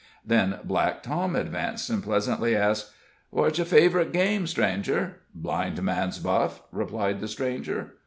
Then Black Tom advanced, and pleasantly asked: "What's yer fav'rit game, stranger?" "Blind man's buff," replied the stranger.